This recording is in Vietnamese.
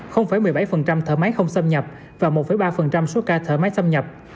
một mươi bảy thở máy không xâm nhập và một ba số ca thở máy xâm nhập